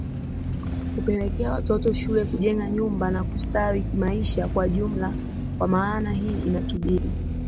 kupeleka watoto shule kujenga nyumba na kustawi kimaisha kwa jumla kwa maana hii inatubidi